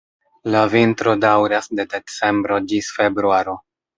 La vintro daŭras de decembro ĝis februaro.